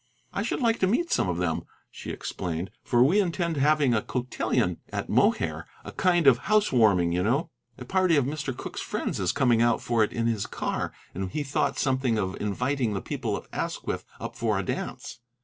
"I should like to meet some of them," she explained, "for we intend having a cotillon at Mohair, a kind of house warming, you know. A party of Mr. Cooke's friends is coming out for it in his car, and he thought something of inviting the people of Asquith up for a dance."